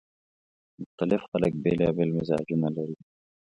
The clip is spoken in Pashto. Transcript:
مختلف خلک بیلابېل مزاجونه لري